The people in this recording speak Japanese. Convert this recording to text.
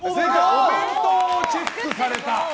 お弁当をチェックされた。